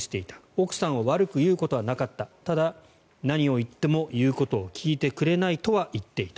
奥さんを悪く言うことはなかったがただ、何を言っても言うことを聞いてくれないとは言っていた。